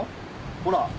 ほら。